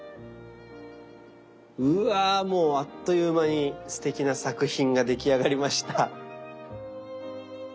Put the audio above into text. うわもうあっという間にすてきな作品が出来上がりました。